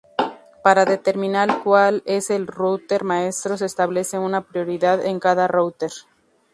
Para determinar cual es el router maestro se establece una prioridad en cada router.